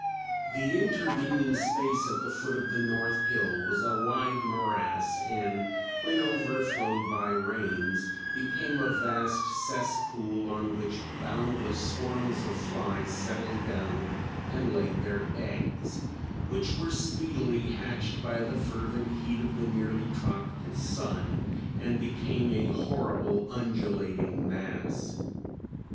The intervening space at the foot of the north hill was a wide morass, and when overflowed by rains became a vast cesspool on which boundless swarms of flies settled down and laid their eggs; which were speedily hatched by the fervent heat of the nearly tropical sun, and became a horrible undulating mass.